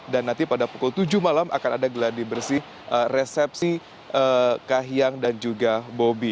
dan nanti pada pukul tujuh malam akan ada geladi bersih resepsi kahyang dan juga bobi